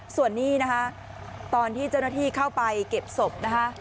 ส่วนนี้นะคะตอนที่เจ้าหน้าที่เข้าไปเก็บศพนะคะ